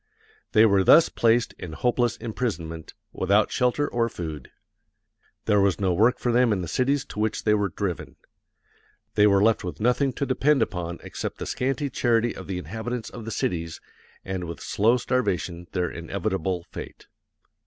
They were thus placed in hopeless imprisonment, without shelter or food. There was no work for them in the cities to which they were driven. They were left with nothing to depend upon except the scanty charity of the inhabitants of the cities and with slow starvation their inevitable fate....